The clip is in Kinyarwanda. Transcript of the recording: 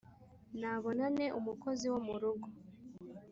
nabona nte umukozi wo mu rugo